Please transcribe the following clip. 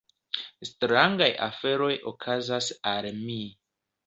Strangaj aferoj okazas al mi.